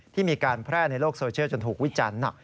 ที่มีการแพร่ในโลกโซเชียลจนถูกวิจันทร์